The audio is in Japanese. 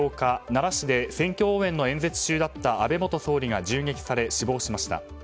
奈良市で選挙応援の演説中だった安倍元総理が銃撃され死亡しました。